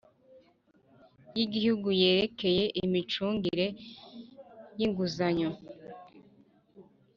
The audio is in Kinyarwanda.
y Igihugu yerekeye imicungire y inguzanyo